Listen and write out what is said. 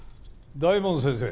大門先生。